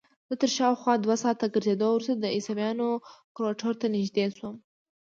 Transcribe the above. زه تر شاوخوا دوه ساعته ګرځېدو وروسته د عیسویانو کوارټر ته نږدې شوم.